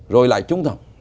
rồi lại trúng thầm